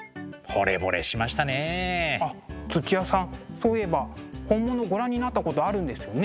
そういえば本物ご覧になったことあるんですよね？